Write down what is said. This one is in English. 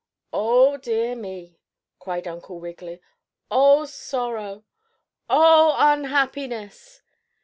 "Oh, dear me!" cried Uncle Wiggily. "Oh, sorrow! Oh, unhappiness!